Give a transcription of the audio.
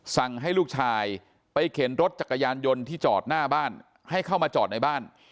สั่งให้ลูกชายไปเข็นรถจักรยานยนต์ที่จอดหน้าบ้านให้เข้ามาจอดในบ้าน